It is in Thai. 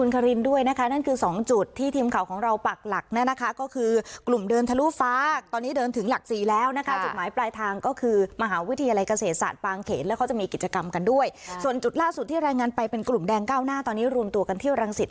ไปเป็นกลุ่มแดงเก้าหน้าตอนนี้รวมตัวกันที่วรังศิษย์